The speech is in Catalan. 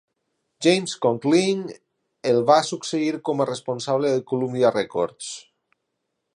James Conkling el va succeir com a responsable de Columbia Records.